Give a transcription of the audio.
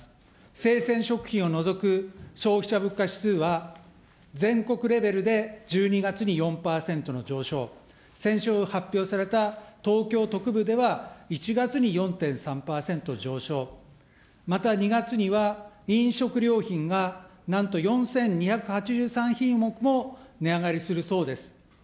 生鮮食品を除く消費者物価指数は、全国レベルで１２月に４％の上昇、先週発表された東京とくぶでは１月に４．３％上昇、また、２月には飲食料品がなんと４２８３品目も値上がりするそうです。